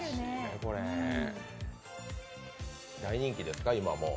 大人気ですか、今もう？